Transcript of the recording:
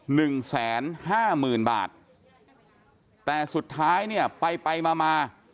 หนึ่งแสนห้าหมื่นบาทแต่สุดท้ายเนี่ยไปไปมามา